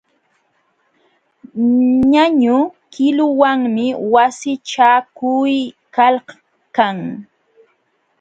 Ñañu qiluwanmi wasichakuykalkan.